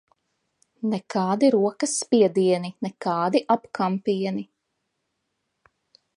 Nekādi rokas spiedieni, nekādi apkampieni.